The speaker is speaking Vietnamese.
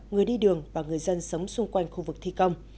người đi đường và người dân sống xung quanh khu vực thi công